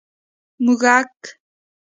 🐁 موږک